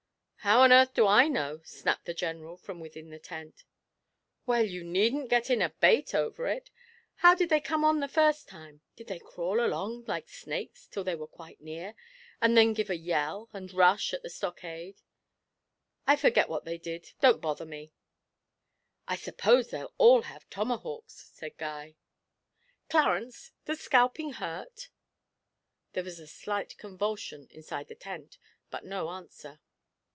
'How on earth do I know?' snapped the General from within the tent. 'Well, you needn't get in a bait over it. How did they come on the first time did they crawl along like snakes till they were quite near, and then give a yell and rush at the stockade?' 'I forget what they did don't bother me!' 'I suppose they'll all have tomahawks,' said Guy. 'Clarence, does scalping hurt?' There was a slight convulsion inside the tent, but no answer.